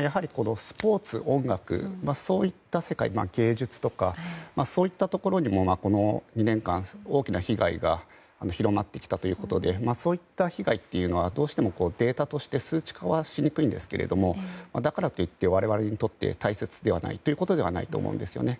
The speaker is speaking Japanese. やはりスポーツ、音楽芸術とか、そういったところでもこの２年間大きな被害が広まってきたということでそういった被害というのはどうしてもデータとして数値化しにくいんですがだからといって我々にとって大切ではないということではないと思うんですね。